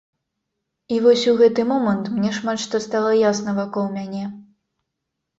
І вось у гэты момант мне шмат што стала ясна вакол мяне.